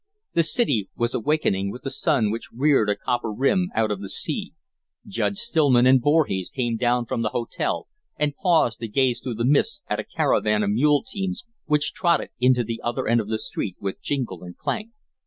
The city was awakening with the sun which reared a copper rim out of the sea Judge Stillman and Voorhees came down from the hotel and paused to gaze through the mists at a caravan of mule teams which trotted into the other end of the street with jingle and clank.